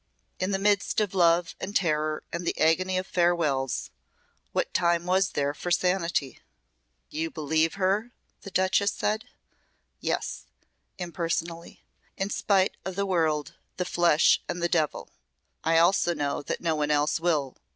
In the midst of love and terror and the agony of farewells what time was there for sanity?" "You believe her?" the Duchess said. "Yes," impersonally. "In spite of the world, the flesh and the devil. I also know that no one else will.